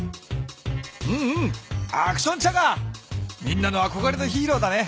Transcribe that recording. みんなのあこがれのヒーローだね。